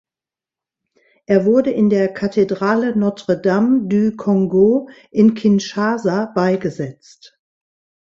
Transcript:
Er wurde in der Kathedrale Notre Dame du Congo in Kinshasa beigesetzt.